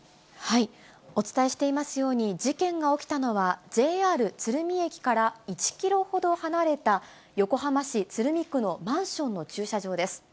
お伝えしていますように、事件が起きたのは、ＪＲ鶴見駅から１キロほど離れた、横浜市鶴見区のマンションの駐車場です。